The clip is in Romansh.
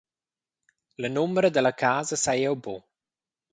La numera dalla casa sai jeu buc.